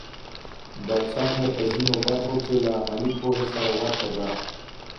دا څانګه په ځینو برخو کې له عملي پوهې سره ورته ده.